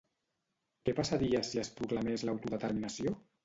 Què passaria si es proclamés l'autodeterminació?